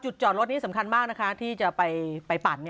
จอดรถนี้สำคัญมากนะคะที่จะไปปั่น